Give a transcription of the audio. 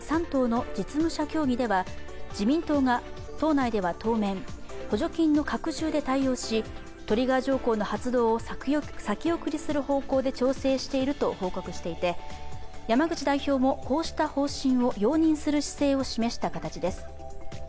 ３党の実務者協議では自民党が党内では当面、補助金の拡充で対応し、トリガー条項の発動を先送りする方向で調整していると報告していて、山口代表もこうした方針を容認する姿勢を示した形です。